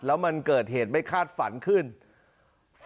เดิมมันเกิดเหตุไม่คาดฝันหนึ่งขึ้น